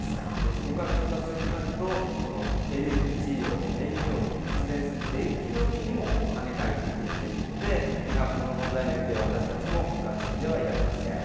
そこから調達しようとなると、ＬＮＧを燃料に発電する電気料金にもはね返ってくるということで、この問題の行方、私たちも無関心ではいられません。